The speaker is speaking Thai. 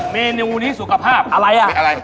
เมนูนี้สุขภาพอะไรอ่ะมีอะไร